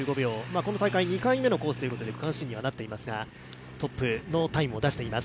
この大会２回目のコースということで区間新にはなっていますがトップのタイムを出しています。